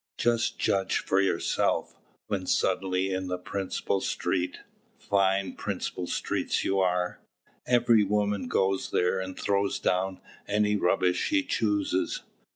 Just judge for yourself, when suddenly in the principal street " "Fine principal streets yours are! Every woman goes there and throws down any rubbish she chooses."